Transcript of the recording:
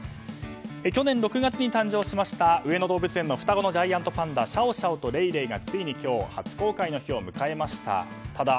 去年６月に誕生しました上野動物園の双子のジャイアントパンダシャオシャオとレイレイがついに今日初公開の日を迎えました。